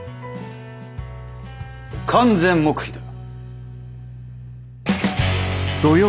完全黙秘だ！